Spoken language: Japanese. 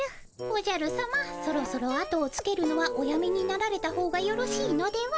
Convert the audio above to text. おじゃるさまそろそろ後をつけるのはおやめになられたほうがよろしいのでは。